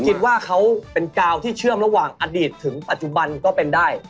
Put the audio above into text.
คิดว่าเขาเป็นกาวที่เชื่อมระหว่างอดีตถึงปัจจุบันก็เป็นได้